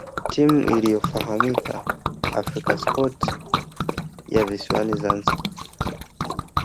Timu iliyofahamika African Sport ya visiwani Zanzibar